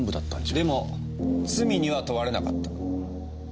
でも罪には問われなかった。